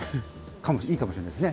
いいかもしれないですね。